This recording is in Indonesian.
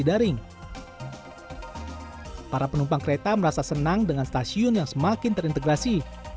pada tahun dua ribu dua puluh penumpang kereta merasa senang dengan stasiun yang semakin terintegrasi